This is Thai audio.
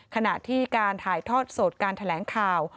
ขณะที่การถ่ายทอดสดการแถลงข่าว